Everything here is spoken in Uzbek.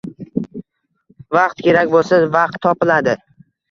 Vaqt kerak bo‘lsa, vaqt topiladi.